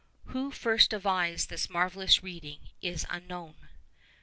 Who first devised this marvellous reading is unknown.